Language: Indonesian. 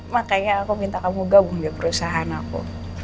makanya aku minta kamu gabung di perusahaan aku